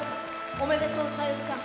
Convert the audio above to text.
おめでとうさゆりちゃん。